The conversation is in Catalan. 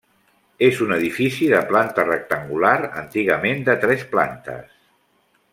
És un edifici de planta rectangular, antigament de tres plantes.